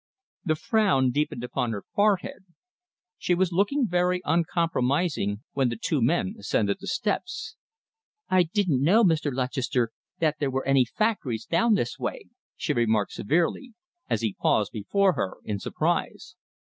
The frown deepened upon her forehead. She was looking very uncompromising when the two men ascended the steps. "I didn't know, Mr. Lutchester, that there were any factories down this way," she remarked severely, as he paused before her in surprise.